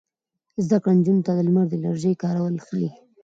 زده کړه نجونو ته د لمر د انرژۍ کارول ښيي.